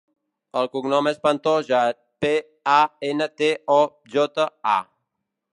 El cognom és Pantoja: pe, a, ena, te, o, jota, a.